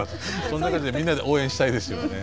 そんな感じでみんなで応援したいですよね。